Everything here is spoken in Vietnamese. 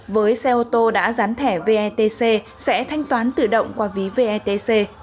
với xe ô tô đã dán thẻ vetc sẽ thanh toán tự động qua ví vetc